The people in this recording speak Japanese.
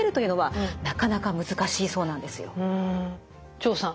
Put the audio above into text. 張さん